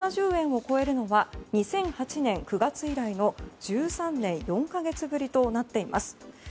３週連続の値上がりでして１７０円を超えるのは２００８年９月以来の１３年４か月ぶりとなっています。